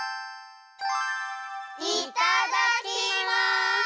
いただきます！